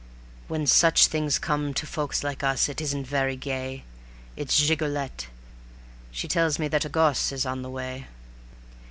When such things come to folks like us, it isn't very gay ... It's Gigolette she tells me that a gosse is on the way."